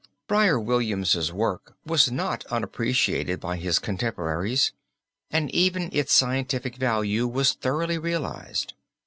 Friar William's work was not unappreciated by his contemporaries and even its scientific value was thoroughly realized.